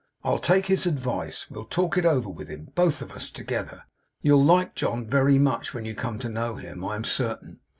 I'll take his advice. We'll talk it over with him both of us together. You'll like John very much, when you come to know him, I am certain.